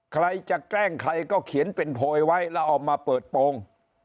ใครจะแกล้งใครก็เขียนเป็นโพยไว้แล้วออกมาเปิดโปรง